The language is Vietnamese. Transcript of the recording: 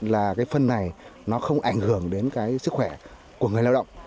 là cái phân này nó không ảnh hưởng đến cái sức khỏe của người lao động